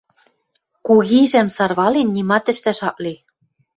Кугижӓм сарвален, нимат ӹштӓш ак ли...